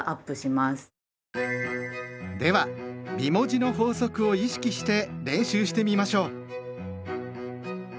では美文字の法則を意識して練習してみましょう！